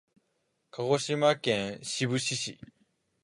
鹿児島県志布志市